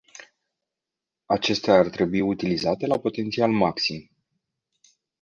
Acestea ar trebui utilizate la potențial maxim.